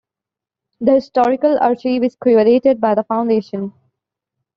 The historical archive is curated by the foundation.